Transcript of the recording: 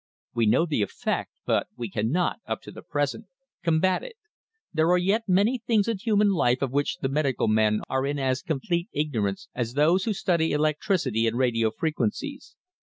We know the effect, but we cannot, up to the present, combat it. There are yet many things in human life of which the medical men are in as complete ignorance as those who study electricity and radio frequencies.